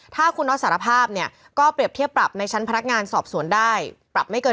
ถ้าคุณน็อตสารภาพเนี่ยก็เปรียบเทียบปรับในชั้นพนักงานสอบสวนได้ปรับไม่เกิน